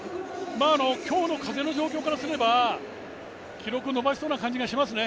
今日の風の状況からすれば記録を伸ばしそうな感じがしますね。